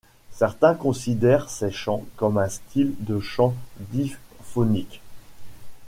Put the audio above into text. Certains considèrent ces chants comme un style de chant diphonique.